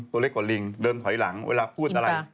ตัวเล็กกว่าลิงเดินถอยหลังเวลาพูดอะไร